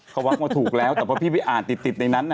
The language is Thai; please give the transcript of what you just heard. เขาวักมาถูกแล้วแต่พอพี่ไปอ่านติดในนั้น